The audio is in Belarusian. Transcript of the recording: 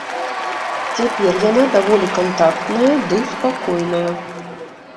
Цяпер яна даволі кантактная ды спакойная.